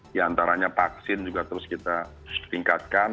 di antaranya vaksin juga terus kita tingkatkan